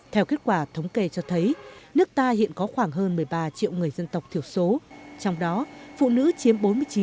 theo kết quả thống kê cho thấy nước ta hiện có khoảng hơn một mươi ba triệu người dân tộc thiểu số trong đó phụ nữ chiếm bốn mươi chín